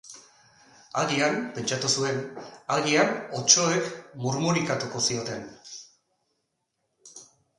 Agian, pentsatu zuen, agian otsoek murmurikatuko zioten.